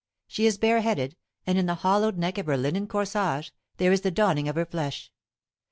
She is bareheaded, and in the hollowed neck of her linen corsage there is the dawning of her flesh.